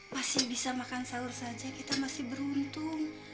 masih bisa makan sahur saja kita masih beruntung